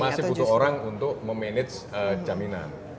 masih butuh orang untuk memanage jaminan